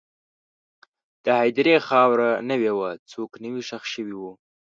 د هدیرې خاوره نوې وه، څوک نوی ښخ شوي وو.